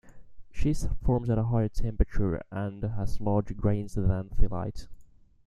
Schist forms at a higher temperature and has larger grains than phyllite.